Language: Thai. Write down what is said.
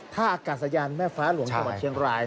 ท่าอากาศยานแม่ฟ้าหลวงจังหวัดเชียงราย